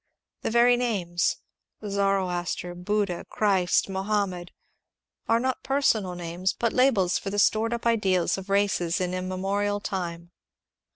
The very names — Zoroaster, Buddha, Christ, Mohammed — are not personal names, but labels for the stored up ideals of races in immemorial time.